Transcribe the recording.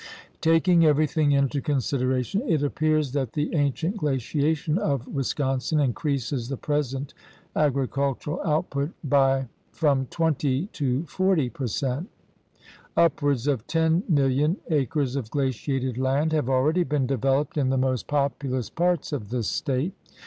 Taking everything into considera tion it appears that the ancient glaciation of Wis consin increases the present agricultural output by from 20 to 40 per cent. Upwards of 10,000,000 acres of glaciated land have already been developed in the most populous parts of the State.